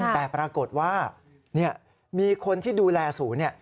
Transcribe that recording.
แต่ปรากฏว่ามีคนที่ดูแลศูนย์เนี่ย